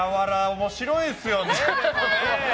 面白いですよね。